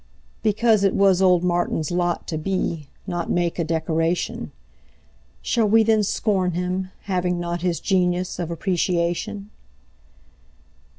Because it was old Martin's lotTo be, not make, a decoration, Shall we then scorn him, having notHis genius of appreciation?